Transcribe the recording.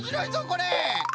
これ。